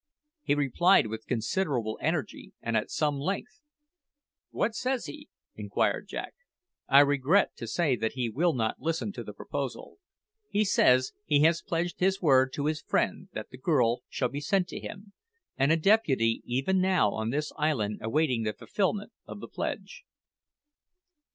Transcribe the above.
He replied with considerable energy and at some length. "What says he?" inquired Jack. "I regret to say that he will not listen to the proposal. He says he has pledged his word to his friend that the girl shall be sent to him, and a deputy even now on this island awaiting the fulfilment of the pledge."